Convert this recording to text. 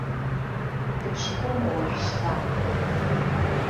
Дыԥшқоума уажәшьҭа.